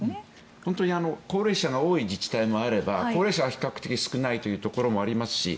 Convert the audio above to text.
本当に高齢者が多い自治体もあれば高齢者は比較的少ないというところもありますし